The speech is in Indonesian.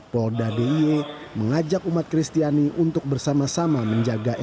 polda die mengajak umat kristiani untuk bersama sama menjaga nkri